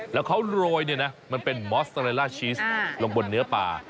แล้วเขารวยมันเป็นมอสเตอร์เรลล่าชีสลงบนเนื้อป่า